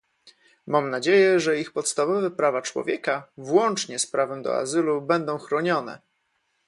Mam nadzieję, że ich podstawowe prawa człowieka, włącznie z prawem do azylu, będą chronione